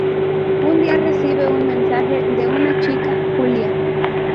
Un día recibe un mensaje de una chica, Julia.